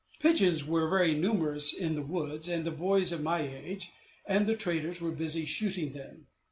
Pigeons were very numerous in the woods, and the boys of my age, and the traders, were busy shooting them.